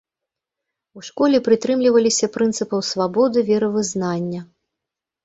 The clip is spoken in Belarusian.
У школе прытрымліваліся прынцыпаў свабоды веравызнання.